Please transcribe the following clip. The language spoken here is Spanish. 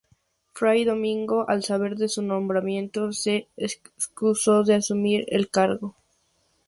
Fray Domingo al saber de su nombramiento se excusó de asumir el encargo.